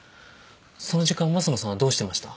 その時間益野さんはどうしてました？